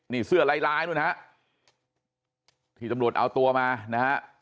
นี่เสื้อร้ายนู่นฮะที่ตำรวจเอาตัวมานะฮะ